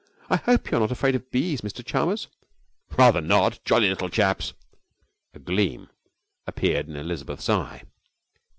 I hope you are not afraid of bees, Mr Chalmers?' 'Rather not. Jolly little chaps!' A gleam appeared in Elizabeth's eye.